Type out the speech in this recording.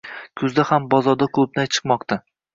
Kuzda ham bozorga qulupnay chiqmoqdang